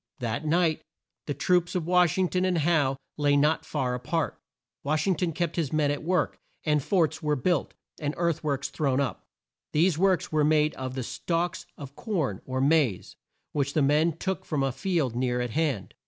That night the troops of Wash ing ton and Howe lay not far a part. Wash ing ton kept his men at work, and forts were built, and earth works thrown up. These works were made of the stalks of corn, or maize, which the men took from a field near at hand.